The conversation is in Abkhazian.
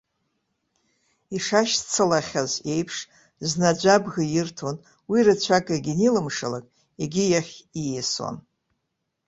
Ишашьцылахьаз еиԥш, зны аӡә абӷа ирҭон, уи рацәак егьанилымшалак, егьи иахь ииасуан.